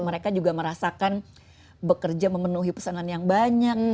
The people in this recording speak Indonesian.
mereka juga merasakan bekerja memenuhi pesanan yang banyak